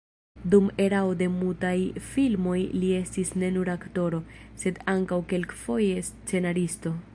Dum erao de mutaj filmoj li estis ne nur aktoro, sed ankaŭ kelkfoje scenaristo.